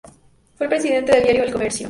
Fue el presidente del diario El Comercio.